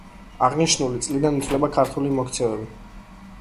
აღნიშნული წლიდან ითვლება ქართული მოქცევები.